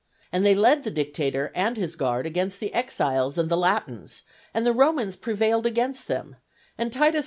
And they led the dictator and his guard against the exiles and the Latins, and the Romans prevailed against them; and T.